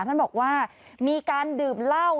ท่านบอกว่ามีการดื่มเหล้า